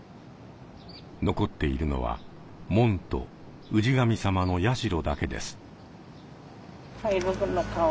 残っているのは門と氏神様の社だけです。